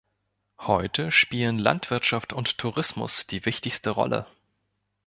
Heute spielen Landwirtschaft und Tourismus die wichtigste Rolle.